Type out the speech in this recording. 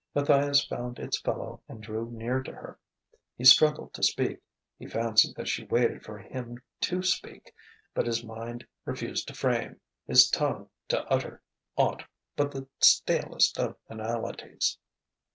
Matthias found its fellow and drew near to her. He struggled to speak; he fancied that she waited for him to speak; but his mind refused to frame, his tongue to utter, aught but the stalest of banalities.